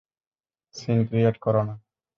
Scene create কোরো না।